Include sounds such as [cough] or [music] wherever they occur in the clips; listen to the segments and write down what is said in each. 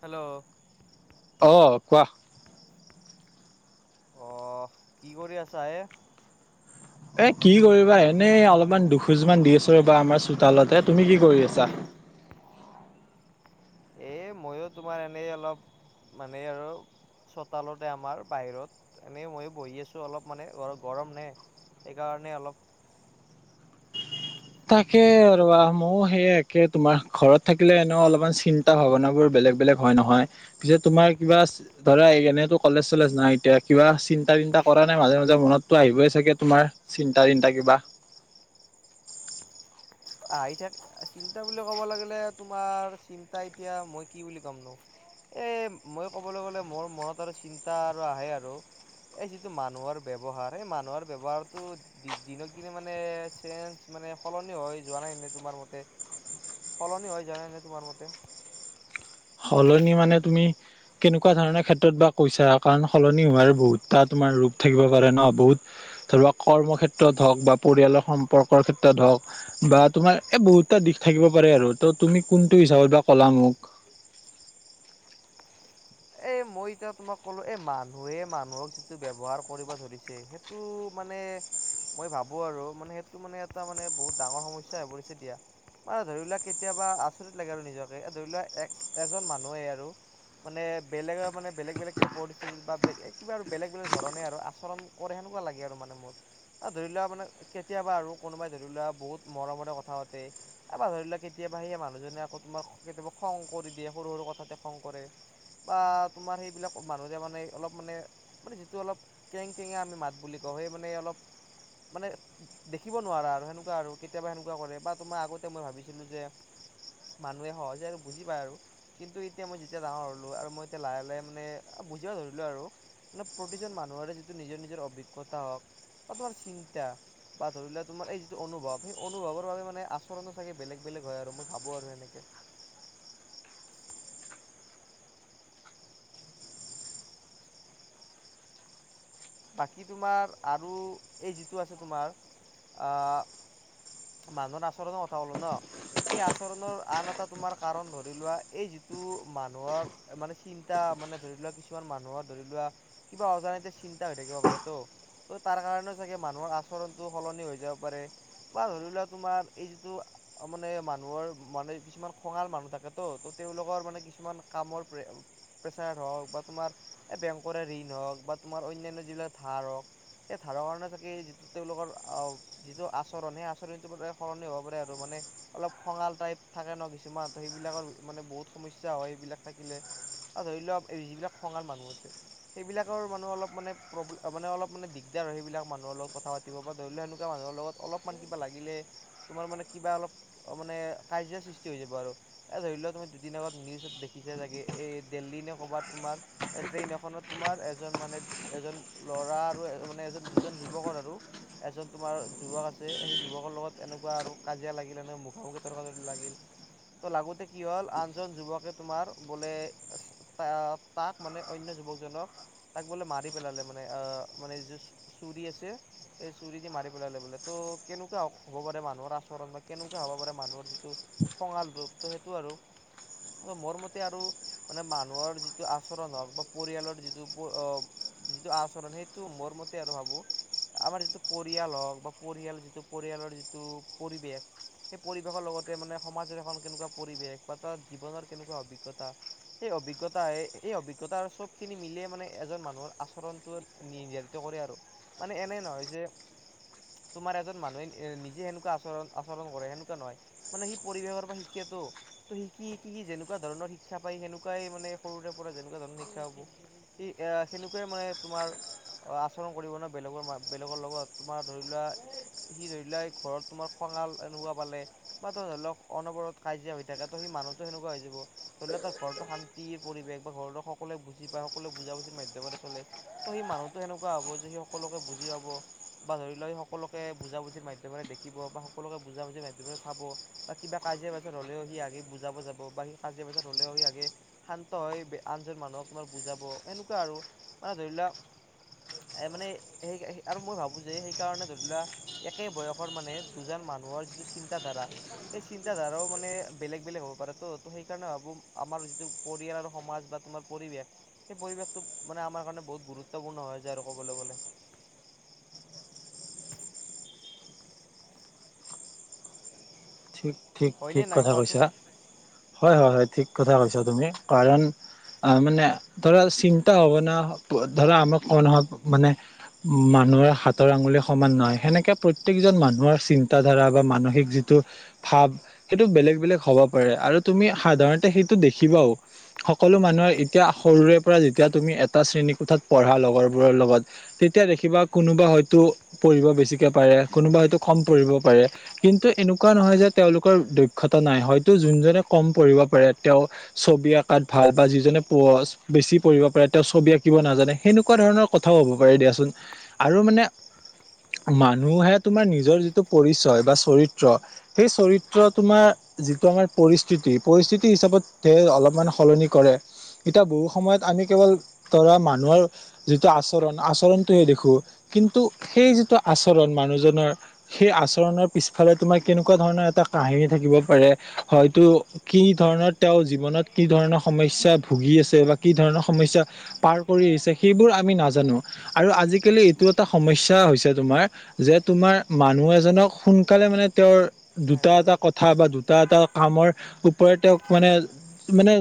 Hello? অ' কোৱা। অ' কি কৰি আছা এ? এ কি কৰিবা, এনেই অলপমান দুখোজমান দি আছোঁ ৰ'বা আমাৰ চোতালতে। তুমি কি কৰি আছা? [unintelligible] এ ময়ো তোমাৰ এনে অলপ মানে আৰু চোতালতে আমাৰ বাহিৰত, এনে মইয়ো বহি আছোঁ অলপ মানে গৰম নে সেইকাৰণে অলপ তাকে ৰ'বা। ময়ো সেয়ে একে তোমাৰ- ঘৰত থাকিলে এনে অলপমান চিন্তা-ভাৱনাবোৰ বে লেগ-বেলেগ হয়, নহয়? পিছে তোমাৰ কিবা ধৰা এনেতো কলেজ-চলেজ নাই এতিয়া। কিবা চিন্তা ন্তা কৰা নে মাজে মাজে? মনততো আহিবই চাগে তোমাৰ, চিন্তা-তিন্তা কিবা? আহি থাক- চিন্তা বুলি ক'ব লাগিলে তোমাৰ, চিন্তা এতিয়া মই কি বুলি কম নো? এ মই ক'বলৈ গ'লে মোৰ মনত আৰু চিন্তা আৰু আহে আৰু। এই যিটো মানুহৰ ব্যৱহাৰ এই মানুহৰ ব্যৱহাৰটো দিনক দিনে মানে চেঞ্জ মানে সলনি হয় যোৱা নাই নে তোমাৰ মতে, সলনি হৈ যোৱা নাই নে তোমাৰ মতে? সলনি মানে তুমি কেনেকুৱা ধৰণৰ ক্ষেত্ৰত বা কৈছা, কাৰণ সলনি হোৱাৰ বহুতটা তুমাৰ ৰ থাকিব পাৰে ন বহুত, ধৰিলক কৰ্ম ক্ষেত্ৰত হওক বা পৰিয়ালৰ সম্পৰ্কৰ ক্ষেত্ৰত হওঁক বা তোমাৰ এই বহুতটা দিশ থাকিব পাৰে আৰু ত তুমি কোনটো হিচাপত বা ক'লা মোক? এই মই এতিয়া তোমাক ক'লো এ মানুহে মানুহক যিটো ব্যৱহাৰ কৰিব ধৰিছে, সেইটো মানে মই ভাবো আৰু মানে সেইটো মানে এটা মানে বহুত ডাঙৰ সমস্যা হৈ পৰিছে দিয়া। মানে ধৰি লোৱা কেতিয়াবা আচৰিত লাগে আৰু নিজকে, ধৰি লোৱা এক এজন মানুহেই আৰু মানে বেলেগ মানে বেলেগ বেলেগ কিবা পৰিস্থিতিত বা কিবা আৰু বেলেগ বেলেগ ধৰণে আৰু আচৰণ কৰে সেনেকুৱা লাগে আৰু মানে মোৰ। ধৰি লোৱা মানে কেতিয়াবা আৰু কোনোবাই ধৰি লোৱা বহুত মৰমৰে কথা পাতে, এ বা ধৰি লোৱা কেতিয়াবা তাপা সেই মানুহজনে আকৌ তোমাৰ কেতিয়াবা খং কৰি দিয়ে সৰু সৰু কথাতে খং কৰে, বা তোমাৰ সেইবিলাক মানুহে মানে অলপ মানে মানে যিটো অলপ কেং কেঙিয়া আমি মাত বুলি কওঁ সেই মানে অলপ মানে দেখিব নোৱাৰা আৰু সেনেকুৱা আৰু কেতিয়াবা সেনেকুৱা কৰে বা তোমাৰ আগতে মই ভাবিছিলো যে মানুহে সহজে আৰু বুজি পায় আৰু কিন্তু এতিয়া মই যেতিয়া ডাঙৰ হলো আৰু মই এতিয়া লাহে লাহে মানে বুজিব ধৰিলো আৰু মানে প্ৰতিজন মানুহৰে যিটো নিজৰ নিজৰ অভিজ্ঞতা হওক বা তোমাৰ চিন্তা বা ধৰিলোৱা তোমাৰ এই যিটো অনুভৱ সেই অনুভৱৰ বাবে মানে আচৰণো চাগে বেলেগ বেলেগ হয় আৰু মই ভাবো আৰু সেনেকে [unintelligible] বাকী তোমাৰ আৰু এই যিটো আছে তোমাৰ বান্ধৰ আচৰততে কথা হলো ন [unintelligible] এই আচৰণৰ আন এটা তোমাৰ কাৰণ ধৰি লোৱা এই যিটো মানুহৰ মানে চিন্তা মানে ধৰি লোৱা কিছুমান মানুহৰ ধৰি লোৱা কিবা অজানিতে চিন্তা হৈ থাকিব পাৰে ত' ত'তাৰ কাৰণেও চাগে মানুহৰ আচৰণতটো সলনি হৈ যাব পাৰে, বা ধৰি লোৱা তোমাৰ এই যিটো মানে মানুহৰ মানে কিছুমান খঙাল মানুহ থাকে'ত তেওঁলোকৰ মানে কিছুমান কামৰ প্ৰে প্ৰেছাৰ হওক বা তোমাৰ বেংকৰে ঋণ হওক বা তোমাৰ অন্যান্য যিবিলাক ধাৰ হক, এই ধাৰা কাৰণে চাগে যিটো তেওঁলোকৰ আহ যিটো আচৰণ সেই আচৰণটো সলনি হব পাৰে আৰু মানে অলপ খঙাল টাইপ থাকে ন কিছুমান সেইবিলাকৰ মানে বহুত সমস্যা হয় সেইবিলাক থাকিলে আৰু ধৰি লোৱা এই যিবিলাক খঙাল মানুহ আছে সেইবিলাকৰ মান অলপ মানে মানে অলপ মান দিগদাৰ সেইবিলাক মানুহৰ লগত কথা পাতিব বা ধৰি লও সনেকুৱা মানুহৰ লগ অলপমান কিবা লাগিলে তোমাৰ মানে কিবা অলপ অ মানে কাজিয়া সৃষ্টি হৈ যাব আৰু এ ধৰি লও তুমি দুদিন আগতে নিউজত দেখিছে চাগে এই দিল্লি নে ক'বাত তোমাৰ ট্ৰেইন এখনত তোমাৰ এজন মানে এজন ল'ৰা আৰু মানে এজন দুজন যুৱকৰ আৰু এজন তোমাৰ যুৱক আছে যে সেই যুৱকৰ লগত এনেকুৱা আৰু কাজিয়া লাগিলে ন মুখেও ৰ্তক লাগিল ত লাগোতে কি হল আনজন যুৱকে তোমাৰ বোলে তাক তাক মানে অইন যুৱকজনক তাক বোলে মাৰি পেলালে মানে অ মানে যি চুৰি আছে সেই চুৰি দি মাৰি পেলালে বোলে। ত কেনেকুৱা হ'ব পাৰে মানুহৰ আচৰণ বা কেনেকুৱা হ'ব পাৰে মানুহৰ যিটো খঙাল ৰূপ তো সেইটো আৰু। মোৰ মতে আৰু মানে মানুহৰ যিটো আচৰণ হওক বা পৰিয়ালৰ যিটো উ [unintelligible] যিটো আচৰণ সেইটো মোৰ মতে আৰু ভাবো আমাৰ যিটো পৰিয়াল হওক বা পৰিয়াল যিটো পৰিয়ালৰ যিটো পৰিৱেশ, সেই পৰিৱেশৰ লগতে মানে সমাজৰ এখন কেনেকুৱা পৰিৱেশ বা তাৰ জীৱনৰ কেনেকুৱা অভিজ্ঞতা, এই অভিজ্ঞতাই এই অভিজ্ঞতা আৰু চব খিনি মিলিয়ে মানে এজন মানুহৰ আচৰণটো নিৰ্ধাৰিত কৰে আৰু মানে এনে নহয় যে তোমাৰ এজন মানুহে নিজে সেনেকুৱা আচৰণ আচৰণ কৰে সেনেকুৱা নহয় মানে সেই পৰিৱেশৰ পৰা শিক্ষা ত ত শিকি শিকি যেনেকুৱা ধৰণৰ শিক্ষা পায় সেনেকুৱাই মানে সৰুৰে পৰা যেনেকুৱা ধৰণৰ শিক্ষা হ'ব ই এ সেনেকুৱে মানে তোমাৰ অ আচৰণ কৰিব ন বেলেগৰ মা বেলেগৰ লগত তোমাৰ ধৰি লোৱা সি ধৰি লোৱা এই ঘৰত তোমাৰ স ভাল এনেকুৱা পালে বা ধৰি লওক অনবৰত কাজিয়া হৈ থাক ত সেই মানুহতো সনেকুৱা হৈ যাব। ধৰি লোৱা তা ঘৰতো শান্তিৰ পৰিৱেশ বা ঘৰতৰ সকলোৱে বুজি পায় সকল বুজা বুজিৰ মাধ্যমৰে চলে ত সেই মানুহতো এনেকুৱা হ'ব যে সকলোকে বুজি পাব বা ধৰি লোৱা সকলোকে বুজা বুজিৰ মাধ্যমেৰে দেখিব বা সকলোকে বুজা বুজিৰ মাধ্যমেৰে চাব বা কা কাজিয়া পেচাৰ হলে সি আগে বুজাব যাব বা সি কাজিয়া পেচাৰ হলেও সি আগে শান্ত হয় আনজন মানুহক তোমাৰ বুজাব এনেকুৱা আৰু মানে ধৰি লোৱা এ মানে সেই আৰু মই ভাবো যে সেইকাৰণে ধৰি লোৱা একে বয়সৰ মানে দুজন মানু মানুহৰ যিটো চিন্তা ধাৰা সেই চিন্তা ধাৰাও মানে বেলেগ বেলেগ হ'ব পাৰে' ত সেইকাৰণে ভাবো তোমাৰ যিটো পৰিয়াল আৰু সমাজ বা তোমাৰ পৰিৱেশ সেই পৰিৱেশটো মানে আমাৰ কাৰণে বহুত গুৰুত্বপূৰ্ণ হয় যায় আৰু ক'বলৈ গ'লে। ঠিক ঠিক হয়নে ঠিক নাই কথা কৈছা। হয় হয় হয় ঠিক কথা কৈছা তুমি। কাৰণ আ মানে ধৰা চিন্তা হব ন প ধৰা আমাক ক নহয় মানে মানুহৰ হাতৰ আঙুলি সমান নহয় সেনেকে প্ৰত্যেকজন মানুহৰ চিন্তা ধাৰা বা মানসিক যিটো ভাব সেইটো বেলেগ বেলেগ হ'ব পাৰে আৰু তুমি সাধাৰণতে সেইটো দেখিবাও সকল লো মানুহৰ এতিয়া সৰুৰে পৰা যেতিয়া তুমি এটা শ্ৰেণী কোঠাত পঢ়া লগৰবোৰৰ লগত তেতিয়া দেখি বা কোনোবা হয়তো পঢ়িব বেছিকে পাৰে কোনোবা হয়তো কম পঢ়িব পাৰে কিন্তু এনো কুৱা নহয় যে তেওঁলোকৰ দক্ষতা নাই হয়তো যোনজনে কম পঢ়িব পাৰে তেওঁ ছবি আকাত ভা ল বা যিজনে পচ বেছি পঢ়িব পাৰে তেওঁ ছবি আকিব নাজানে সেনেকুৱা ধৰণৰ কথাও হ'ব পাৰে দিয়াচোন। আৰু মানে মানুহে তোমাৰ নিজৰ যিটো পৰিচয় বা চৰিত ত্ৰ সেই চৰিত্ৰ তোমাৰ যিটো আমাৰ পৰিস্থিতি পৰিস্থিতি হিচাপত তে অলপমান সলনি কৰে। এতিয়া বহু সময়ত আমি কেৱল ধৰা মানুহৰ যিটো আচৰণ আচৰণটোহে দেখো। কিন্তু সেই যিটো আচৰণ মানুহজনৰ সেই আচৰণৰ পিছ ফালে তোমাৰ কেনেকুৱা ধৰণৰ এটা কাহিনী থাকিব পাৰে হয়তো কি ধৰণৰ তেওঁ জীৱনত কি ধৰণৰ সমস্যা ভুগি আছে বা কি ধৰণৰ সমস্যা পাৰ কৰি আহিছে সেইবোৰ আমি নাজানো। আৰু আজিকালি এইটো এটা সমস্যা হৈছে তোমাৰ যে তোমাৰ মানুহ এজনক সোন কালে মানে তেওঁৰ দুটা কোৱাচোন এটা কথা বা দুটা এটা কামৰ ওপৰত তেওঁক মানে মানে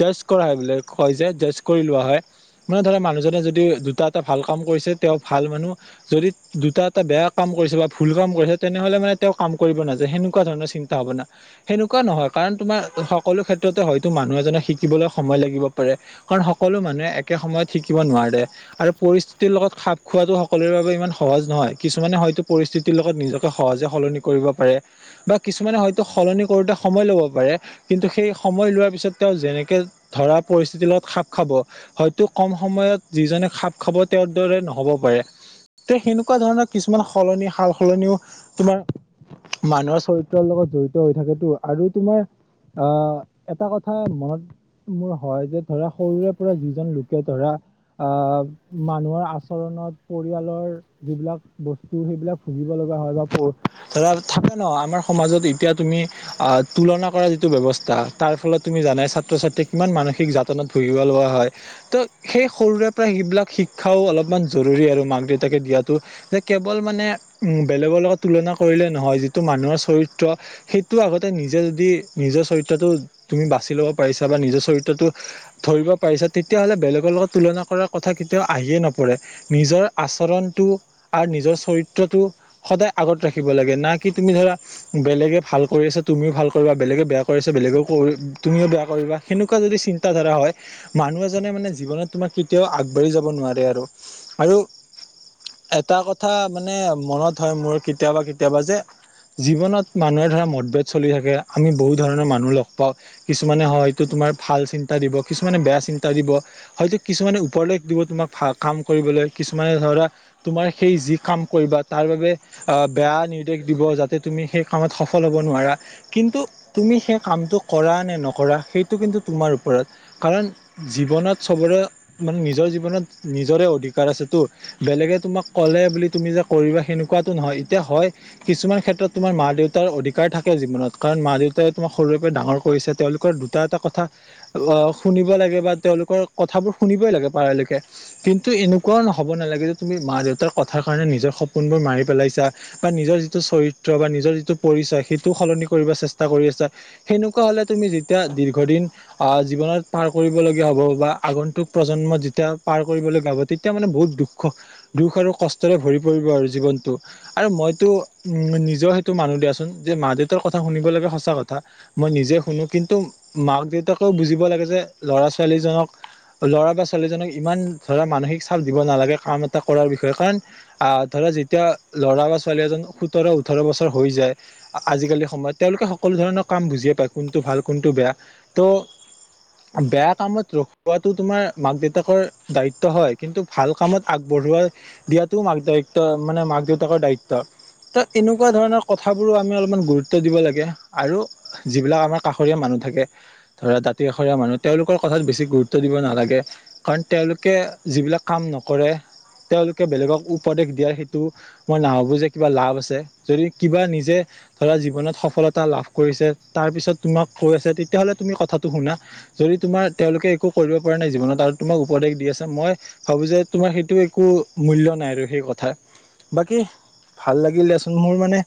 জাজ কৰা হয় বুলে কয় যে জাজ কৰি লোৱা হয় মানে ধৰে মানুহজনে যদি দুটা এটা ভাল কাম কৰি চে তেওঁ ভাল মানুহ যদি দুটা এটা বেয়া কাম কৰিছে বা ভুল কাম কৰিছে তেনেহলে মানে তেওঁ কাম কৰিব নাযায় সেনেকুৱা ধৰণৰ চিন্তা হব না সেনেকোৱা নহয় কাৰণ তোমাৰ সকলো ক্ষেত্ৰত হয়তো মানুহ এজনক শিকিবলৈ সময় লাগিব পাৰে কাৰণ সকলো মানুহে একে সময়ত শিকিব নোৱাৰে। আৰু পৰিস্থিতিৰ লগত খাপ খোৱাটো সকলোৰে বাবে ইমান সহজ নহয় কিছুমানে হয়তো পৰিস্থিতিৰ লগত নিজক সহজে সলনি কৰিব পাৰে বা কিছুমানে হয়তো সলনি কৰোতে সময় ল'ব পাৰে কিন্তু সেই সময় লোৱাৰ পিছত তেওঁ যেনেকে ধৰা পৰিস্থিতিৰ লগত খাপ খাব হয়তো কম সময়ত যিজন খাপ খাব তেওঁৰ দৰে নহব পাৰে তে সেনেকুৱা ধৰণৰ কিছুমান সলনি সাল সলনিও তোমাৰ মানুহৰ চৰিত্ৰৰ লগত জড়িত হৈ থাকেতো আৰু তোমাৰ আহ এটা কথা মনত মোৰ হয় যে ধৰা সৰুৰে পৰা যিজন লোকে ধৰা আহ মানুহৰ আচৰণত পৰিয়ালৰ যিবিলাক বস তো সেইবিলাক ভুজিব ল [inaudible] ধৰা থাকে ন আমাৰ সমাজত এতিয়া তুমি অ তুলনা কৰা যিটো ব্যৱস্থা তা তাৰ ফলত তুমি জানাই ছাত্ৰ -ছাত্ৰী কিমান মানসিক যাতনাত ভুগিব লগোৱা হয় ত সেই সৰুৰে সেইবিলাক শিক্ষাও অলপমান জৰুৰী আৰু মাক -দেউতাকে দিয়াটো যে কেৱল মানে উম বেলেগৰ লগত তুলনা কৰিলে নহয় যিটো মানুহৰ চৰিত্ৰ সেইটো আগতে নিজে যদি নিজৰ চৰি ত্ৰটো তুমি বাচি ল'ব পাৰিছা বা নিজৰ চৰিত্ৰটো ধৰিব পাৰিছা তেতিয়াহ'লে বেলেগৰ লগত তুলনা কৰাৰ কথা কেতিয়াও আহিয়ে নপৰে নিজৰ আচৰণটো আৰু নিজৰ চৰিত্ৰটো সদায় আগত ৰাখিব লাগে না কি তুমি ধৰা বেলেগে ভাল কৰি আছে তুমিও ভাল কৰিবা বেলেগে বেয়া কৰিছে বেলেগ লেগো কৰিম তুমিও বেয়া কৰিবা সেনেকুৱা যদি চিন্তা ধাৰা হয় মানুহ এজনে মানে জীৱনত তোমাক কেতিয়াও আগবাঢ়ি যাব নোৱাৰে আৰু আৰু এটা কথা মানে মনত হয় মোৰ কেতিয়াবা কেতিয়াবা যে জীৱনত মানুহে ধৰা মতভেদ চলি থাকে আমি বহুত ধৰণৰ মানুহ লগ পাওঁ কিছুমানে হয়টো টো ভাল চিন্তা দিব কিছুমানে বেয়া চিন্তা দিব হয়টো কিছুমানে উপদেশ দিব তোমাক ভাল কাম কৰিবলৈ। কিছুমানে ধৰা তোমাৰ সেই যি কাম কৰিবা তাৰ বাবে আহ বেয়া নিৰ্দেশ দিব যাতে তুমি সেই কামত সফল হ'ব নোৱাৰা, কিন্তু তুমি সেই কাম কিন্তু কৰা নে নকৰা সেইটো কিন্তু তোমাৰ ওপৰত, কাৰণ জীৱনত চবৰে মানে নিজৰ জীৱনত নিজৰে অধিকাৰ আছেটো বেলেগে তোমাক ক'লে বুলি তুমি যে কৰিবা সেনেকু কোৱাটো নহয় এতিয়া হয় কিছুমান ক্ষেত্ৰত তোমাৰ মা দেউতাৰ অধিকাৰ থাকে জীৱনত কাৰণ মা-দেউতাই তোমাক সৰু কৈ ডাঙৰ কৰিছে তেওঁলোকৰ দুটা এটা কথা অ শুনিব লাগে বা তেওঁলোকৰ কথাবোৰ শুনিবই লাগে পাৰালৈকে কিন্তু এনেকুৱাও হ'ব নালাগে যে তুমি মা দেউতাৰ কথাৰ কাৰণে নিজৰ সপোনবোৰ মাৰি পেলাইছা বা নিজৰ যিটো চৰিত্ৰ বা নিজৰ যিটো পৰিচয় সেইটো সলনি কৰিব চেষ্টা কৰি আছা সেনেকুৱা হলে তুমি যেতিয়া দীৰ্ঘদিন আহ জীৱনত পাৰ কৰিবলগীয়া হ'ব বা আগন্তুক প্ৰজন্ম যেতিয়া পাৰ কৰিবলৈ যাব তেতিয়া মানে বহুত দুখ দুখ আৰু কষ্টৰে ভৰি পৰিব আৰু জীৱনতটো আৰু মইতো উম নিজেও সেইটো মানু দিয়াচোন যে মা দেউতাৰ কথা শুনিব লাগে সঁচা কথা। মই নিজে শুনো কিন্তু মাক-দেউতাকেও বুজিব লাগে যে ল'ৰা ছোৱালীজনক ল'ৰা বা ছোৱালীজনক ইমান ধৰা মানসিক চাপ দিব নালাগে কাম এটা কৰাৰ বিষয়ে কাৰণ আহ ধ এ যেতিয়া ল'ৰা বা ছোৱালী এজন সোতৰ ওঠৰ বছৰ হৈ যায় আজিকালি সময়ত তেওঁলোকে সকলো ধৰণৰ কাম বুজি কোনটো ভাল কোনটো বেয়া ত' বেয়া কামত ৰখোৱাটো তোমাৰ মাক দেউতাকৰ দায়িত্ব হয় কিন্তু ভাল কামত আগবঢ়োৱা পঢাই দিয়াতটো মাক দায়িত্ব মানে মাক-দেউতাকৰ দায়িত্ব ত এনেকুৱা ধৰণৰ কথাবোৰো আমি অলপমান গুৰুত্ব দিব লাগে আৰু যিবিলাক আমাৰ কাষৰীয়া মানুহ থাকে ধৰা দাঁতি কাষৰীয়া মানুহ তেওঁলোকৰ কথাত বেছি গুৰুত্ব দিব নালাগে, কাৰণ তেওঁলোকে যিবিলাক কাম নকৰে তেওঁলোকে বেলেগক উপদেশ দিয়াৰ সেইটো মই নাভাবোঁ যে কিবা লাভ আছে যদি কিবা নিজে ধৰা জীৱনত সফলতা লাভ কৰিছে তাৰপিছত তোমাক কৈ আছে তেতিয়াহ'লে তুমি কথাটো শুনা যদি তোমাৰ তেওঁলোকে একো কৰিব পৰা নাই জীৱনত আৰু তোমাক উপদেশ দি আছে মই ভাবো যে তোমাৰ সেইটো একো মূল্য নাই আৰু সেই কথা বাকী ভাল লাগিল দিয়াচোন মোৰ মানে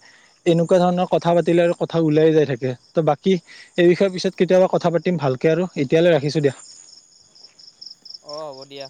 এনেকুৱা ধৰণৰ কথা পাতিলে আৰু কথা ওলাই যাই থাকে ত বাকী এই বিষয়ে পিছত কেতিয়াবা কথা পাতিম ভালকে আৰু এতিয়ালৈ ৰাখিছোঁ দিয়া অ হ'ব দিয়া।